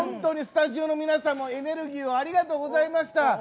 スタジオの皆さんもエネルギーをありがとうございました。